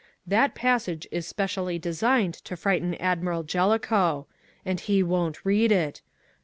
That passage is specially designed to frighten Admiral Jellicoe. And he won't read it!